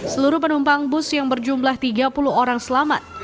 seluruh penumpang bus yang berjumlah tiga puluh orang selamat